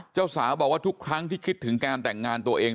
เจ้าสาวบอกว่าทุกครั้งที่คิดถึงการแต่งงานตัวเอง